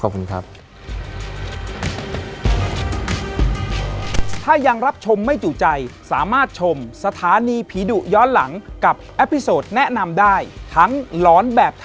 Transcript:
ครับสวัสดีครับขอบคุณครับ